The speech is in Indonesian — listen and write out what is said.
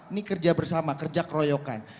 ini kerja bersama kerja keroyokan